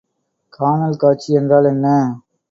கானல் காட்சி என்றால் என்ன?